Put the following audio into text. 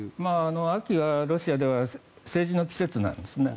秋はロシアでは政治の季節なんです。